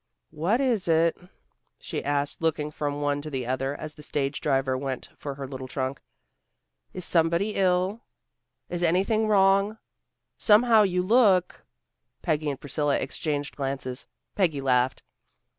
"What is it?" she asked, looking from one to the other, as the stage driver went for her little trunk. "Is anybody ill? Is anything wrong? Somehow you look " Peggy and Priscilla exchanged glances. Peggy laughed.